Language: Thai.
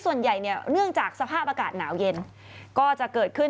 ส่วนใหญ่เนี่ยเนื่องจากสภาพอากาศหนาวเย็นก็จะเกิดขึ้น